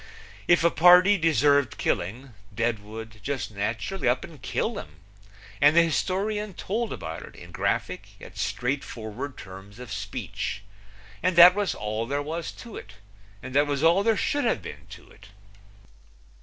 If a party deserved killing Deadwood just naturally up and killed him, and the historian told about it in graphic yet straightforward terms of speech; and that was all there was to it, and that was all there should have been to it.